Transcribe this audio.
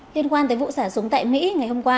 liên quan tới vụ xả súng tại mỹ ngày hôm qua